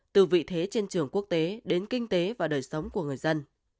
từ vị thế trên trường quốc tế đến kinh tế và đời sống của người dân